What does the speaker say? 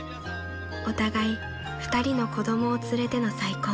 ［お互い２人の子供を連れての再婚］